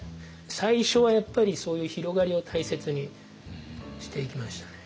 最初はやっぱりそういう広がりを大切にしていきましたね。